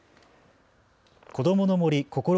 こどもの森こころ